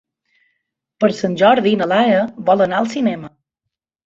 Per Sant Jordi na Laia vol anar al cinema.